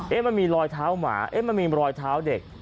มันมีรอยเท้าหมาเอ๊ะมันมีรอยเท้าเด็ก